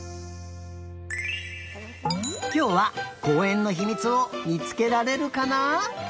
きょうはこうえんのひみつをみつけられるかな？